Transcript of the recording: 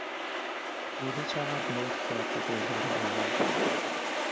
جولی چقدر لطف کرد که گلها را آورد.